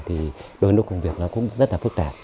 thì đôi lúc công việc nó cũng rất là phức tạp